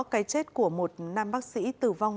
cái chết của một nam bác sĩ tử vong